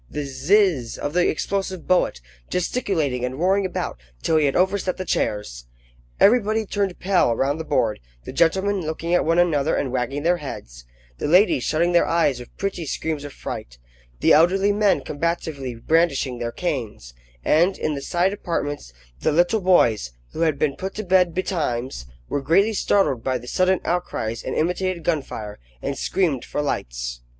the zizz of the explosive bullet gesticulating and roaring about till he had overset the chairs. Everybody turned pale around the board: the gentlemen looking at one another and wagging their heads, the ladies shutting their eyes with pretty screams of fright, the elderly men combatively brandishing their canes; and, in the side apartments, the little boys, who had been put to bed betimes, were greatly startled by the sudden outcries and imitated gun fire, and screamed for lights.